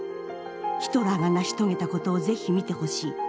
『ヒトラーが成し遂げた事を是非見てほしい。